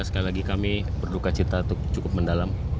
sekali lagi kami berduka cinta untuk cukup mendalam